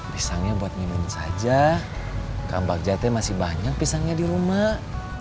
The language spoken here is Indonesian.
pisangnya buat mimin saja kang bakcate masih banyak pisangnya di rumah